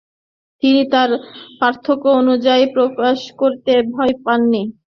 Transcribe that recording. তিনি তার পার্থক্য অনুভূতি প্রকাশ করতে ভয় পাননি।